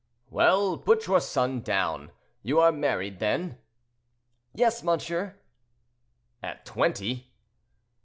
"Well; put your son down. You are married, then?"— "Yes, monsieur." "At twenty?"